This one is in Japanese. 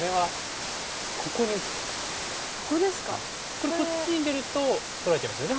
これこっちに出ると取られちゃいますよね。